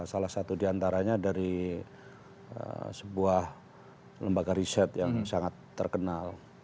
salah satu diantaranya dari sebuah lembaga riset yang sangat terkenal